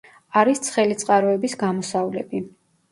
არის ცხელი წყაროების გამოსავლები.